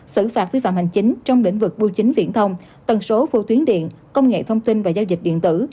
xử phạt vi phạm hành chính trong lĩnh vực bưu chính viễn thông tần số vô tuyến điện công nghệ thông tin và giao dịch điện tử